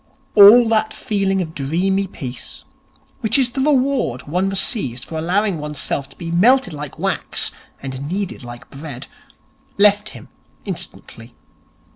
All that feeling of dreamy peace, which is the reward one receives for allowing oneself to be melted like wax and kneaded like bread, left him instantly.